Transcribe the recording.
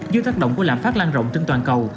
dưới tác động của lạm phát lan rộng trên toàn cầu